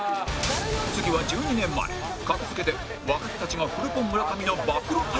次は１２年前格付けで若手たちがフルポン村上の暴露大会に